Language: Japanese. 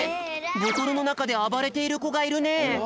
ボトルのなかであばれているこがいるね。